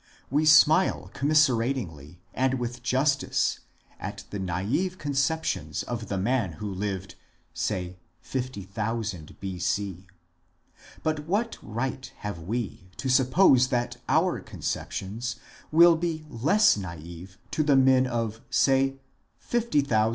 We smile commiseratingly, and with justice, at the nawe conceptions of the men who lived, say, 50,000 B.C. 1 ; but what right have we to suppose that our conceptions will be less naive to the men of, say, 50,000 A.